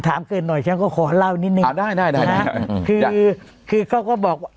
ถามเกินหน่อยฉันก็ขอเล่านิดนึงขอได้ได้นะคือคือเขาก็บอก